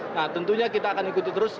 nah tentunya kita akan ikuti terus